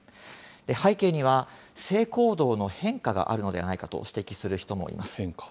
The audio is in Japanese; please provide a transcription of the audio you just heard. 背景には、性行動の変化があるのではないかと指摘する人もいます。